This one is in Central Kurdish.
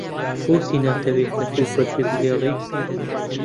بۆچی ناتەوێت کەرکووک بەجێبهێڵێت؟